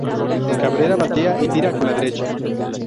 Cabrera batea y tira con la derecha.